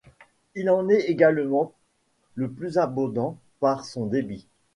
Il en est également le plus abondant par son débit.